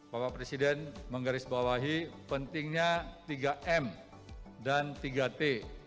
bapak presiden menggarisbawahi pentingnya tiga m dan tiga t